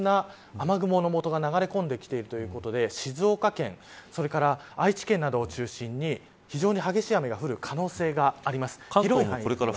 南から非常に活発な雨雲のもとが流れ込んできているということで静岡県それから愛知県などを中心に非常に激しい雨が降る可能性があります。